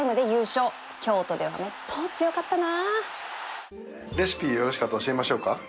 京都ではめっぽう強かったな